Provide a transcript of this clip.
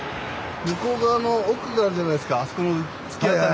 向こう側の奥があるじゃないですかあそこの突き当たり。